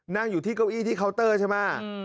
นั่งอยู่ที่เก้าอี้ที่เคาน์เตอร์ใช่ไหม